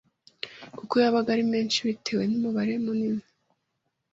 kuko yabaga ari menshi bitewe n’umubare munini.